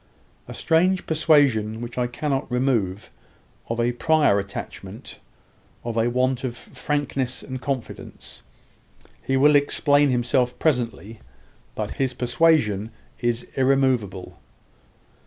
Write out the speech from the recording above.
A strange persuasion which I cannot remove, of a prior attachment of a want of frankness and confidence. He will explain himself presently. But his persuasion is irremoveable."